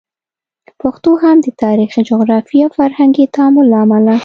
پښتو هم د تاریخي، جغرافیایي او فرهنګي تعامل له امله